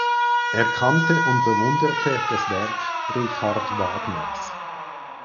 Er kannte und bewunderte das Werk Richard Wagners.